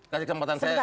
kasih kesempatan saya